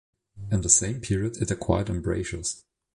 In the same period, it acquired embrasures.